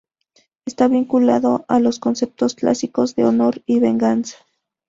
Está vinculado a los conceptos clásicos de honor y venganza.